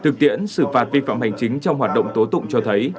thực tiễn xử phạt vi phạm hành chính trong hoạt động tố tụng cho thấy